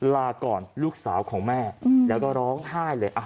ลาก่อนลูกสาวของแม่แล้วก็ร้องไห้เลย